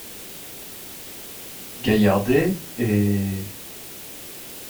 Gaillardet et ***.